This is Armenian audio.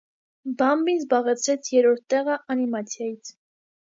«Բամբին» զբաղեցրեց երրորդ տեղը անիմացիայից։